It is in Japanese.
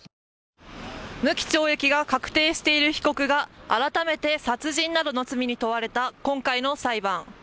無期懲役が確定している被告が改めて殺人などの罪に問われた今回の裁判。